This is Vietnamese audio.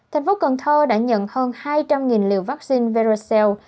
tp cần thơ đã nhận hơn hai trăm linh liều vaccine verocell